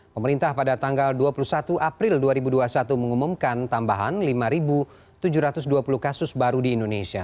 pemerintah pada tanggal dua puluh satu april dua ribu dua puluh satu mengumumkan tambahan lima tujuh ratus dua puluh kasus baru di indonesia